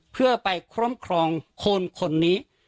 เพื่อไปครอบครองคนคนนี้